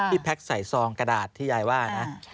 แพ็คใส่ซองกระดาษที่ยายว่านะ